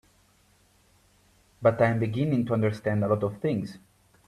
But I'm beginning to understand a lot of things.